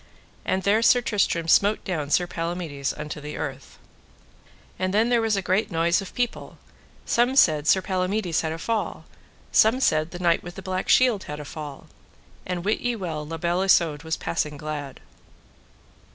And there Sir Tristram smote down Sir Palamides unto the earth. And then there was a great noise of people: some said Sir Palamides had a fall, some said the Knight with the Black Shield had a fall. And wit you well La Beale Isoud was passing glad.